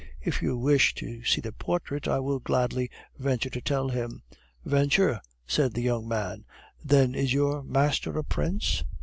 "If you wish to see the portrait, I will gladly venture to tell him." "Venture!" said the young man; "then is your master a prince?"